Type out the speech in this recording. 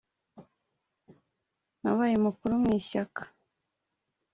Nabaye umukuru mu ishyaka